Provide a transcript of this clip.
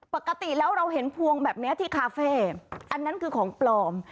ปกติแล้วเราเห็นพวงแบบนี้ที่คาเฟ่อันนั้นคือของปลอม